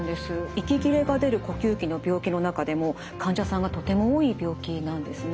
息切れが出る呼吸器の病気の中でも患者さんがとても多い病気なんですね。